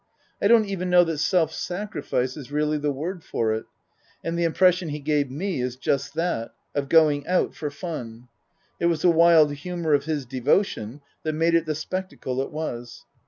I don't even know that self sacrifice is really the word for it ; and the impression he gave me is just that of going out for fun. It was the wild humour of his devotion that made it the spectacle it was.